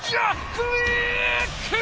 クリック！